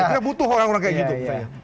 kita butuh orang orang kayak gitu